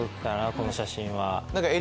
この写真は。